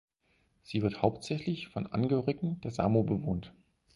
Sie wird hauptsächlich von Angehörigen der Samo bewohnt.